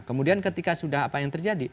kemudian ketika sudah apa yang terjadi